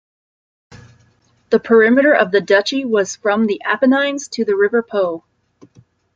The perimeter of the duchy was from the Apennines to the river Po.